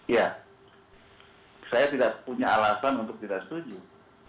ya saya tidak punya alasan untuk tidak setuju